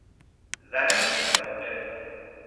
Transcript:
زن دوطلاقه